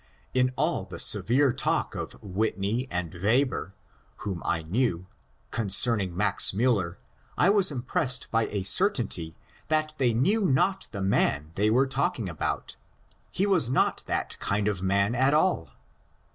In all the severe talk of Whitney and Weber (whom I knew) concerning Max Miiller, I was impressed by a cer tainty that they knew not the man they were talking about. He was not that kind of man at all